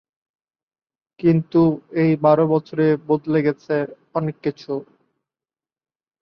কিন্তু এই বারো বছরে বদলে গেছে অনেক কিছু।